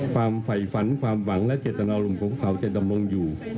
ความไฝฝันความหวังและเจตนอลุมของเขาจะดำรงอยู่